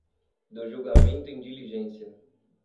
do julgamento em diligência